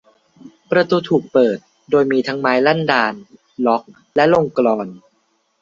ประตูถูกปิดโดยมีทั้งไม้ลั่นดาล ล็อค และลงกลอน